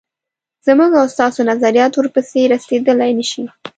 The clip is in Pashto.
زموږ او ستاسو نظریات ورپسې رسېدلای نه شي.